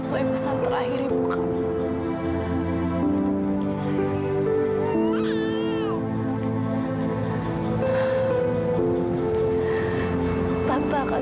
sampai jumpa di video selanjutnya